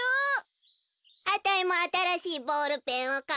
あたいもあたらしいボールペンをかうわべ！